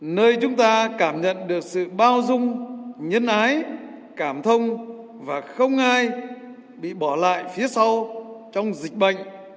nơi chúng ta cảm nhận được sự bao dung nhân ái cảm thông và không ai bị bỏ lại phía sau trong dịch bệnh